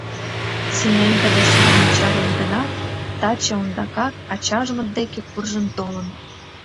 Зинаида Васильевна чарен гынат, таче ондакак ачажмыт деке куржын толын.